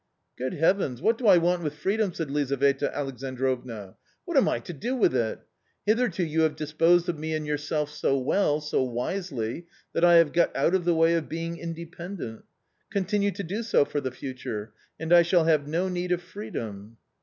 " Good Heavens ! what do I want with freedom," said Lizaveta Alexandrovna, " what am I to do with it ? Hitherto you have disposed of me and yourself so well, so wisely, that I have got out of the way of being independent ; continue to do so for the future ; and I shall have no need of freedom."